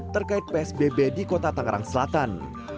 terkait psbb di kota tangerang selatan